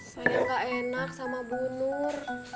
saya nggak enak sama bu nur